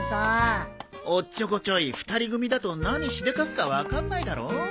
おっちょこちょい２人組だと何しでかすか分かんないだろ。